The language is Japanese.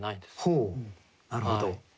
ほうなるほど。